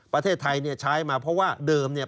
ประเทศไทยเนี่ยใช้มาเพราะว่าเดิมเนี่ย